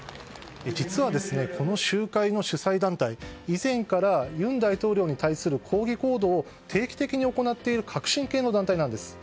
実は、この集会の主催団体以前から尹大統領に対する抗議行動を定期的に行っている革新系の団体なんです。